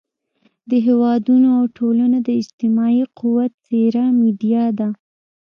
د هېوادونو او ټولنو د اجتماعي قوت څېره میډیا ده.